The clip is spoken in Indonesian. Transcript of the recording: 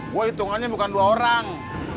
gue hitungannya bukan dua orang